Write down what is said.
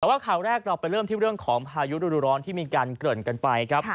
แต่ว่าข่าวแรกเราไปเริ่มที่เรื่องของพายุดูร้อนที่มีการเกริ่นกันไปครับ